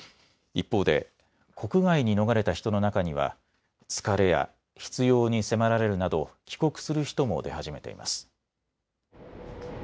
一方で国外に逃れた人の中には疲れや必要に迫られるなど、帰国する人も出始めています。